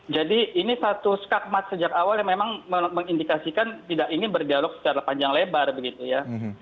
jadi ini satu skagmat sejak awal yang memang mengindikasikan tidak ingin berdialog secara panjang lebar begitu ya